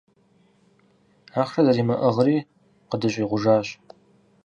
Ахъшэ зэримыӀыгъри къыдыщӀигъужащ.